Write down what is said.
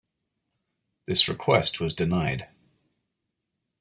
This request was denied.